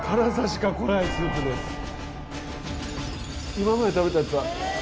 今まで食べたやつは。